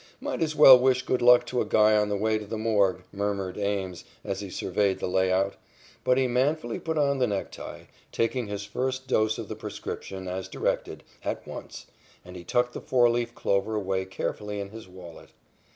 "Might as well wish good luck to a guy on the way to the morgue," murmured Ames as he surveyed the layout, but he manfully put on the necktie, taking his first dose of the prescription, as directed, at once, and he tucked the four leaf clover away carefully in his wallet.